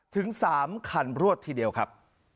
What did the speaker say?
ถึง๓คันรวดทีเดียวครับ